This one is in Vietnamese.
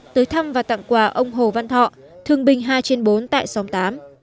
tới thăm và tặng quà ông hồ văn thọ thương binh hai trên bốn tại xóm tám